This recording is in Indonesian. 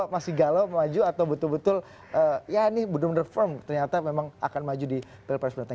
masih galau maju atau betul betul ya ini benar benar firm ternyata memang akan maju di pilpres mendatang